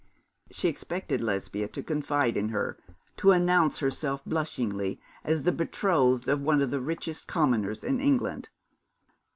She expected Lesbia to confide in her, to announce herself blushingly as the betrothed of one of the richest commoners in England.